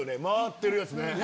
回ってるやつね。